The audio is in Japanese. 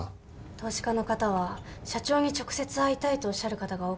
投資家の方は社長に直接会いたいとおっしゃる方が多くて。